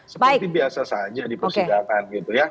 seperti biasa saja dipersidakan gitu ya